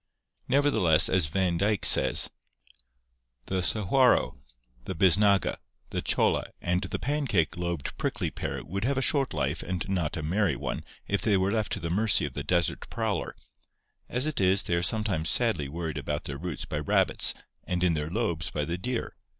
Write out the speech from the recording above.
Nevertheless, as Van Dyke says: "The sahuaro, the bisnaga, the cholla, and the pan cake lobed prickly pear would have a short life and not a merry one if they were left to the mercy of the desert prowler. As it is they are sometimes sadly worried about their roots by rabbits and in their lobes by the deer.